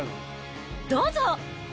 どうぞ。